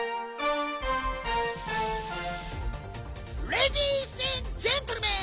レディースエンドジェントルメン！